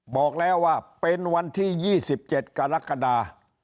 บอกแล้วว่าเป็นวันที่๒๗กรกฎา